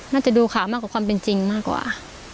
น่าจะดูขามากกว่าความเป็นจริงมากกว่า